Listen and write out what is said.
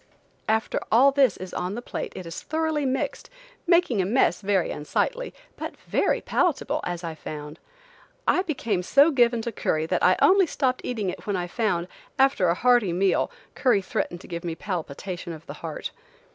After all this is on the plate it is thoroughly mixed, making a mess very unsightly, but very palatable, as I found. I became so given to curry that I only stopped eating it when I found, after a hearty meal, curry threatened to give me palpitation of the heart.